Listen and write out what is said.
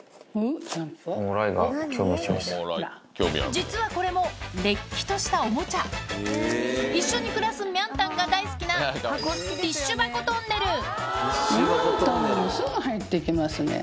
実はこれもれっきとしたおもちゃ一緒に暮らすミャンたんが大好きなミャンたんすぐ入ってきますね。